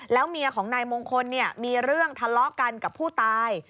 แล้วเมียของนายมงคลมีเรื่องทะเลาะกันกับผู้ตาย